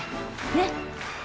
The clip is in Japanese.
ねっ？